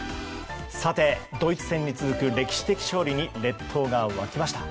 さて、ドイツ戦に続く歴史的勝利に列島が沸きました。